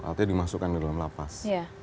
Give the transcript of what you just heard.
artinya dimasukkan ke dalam lapas